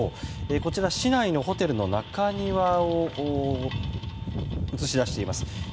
こちら、市内のホテルの中庭を映し出しています。